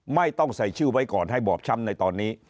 ไม่ต้องใส่ชื่อไว้ก่อนให้บอบช้ำในตอนนี้